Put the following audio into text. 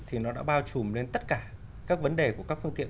thì nó đã bao trùm lên tất cả các vấn đề của các phương tiện